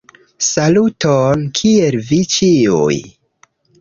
Saluton, Kiel vi ĉiuj?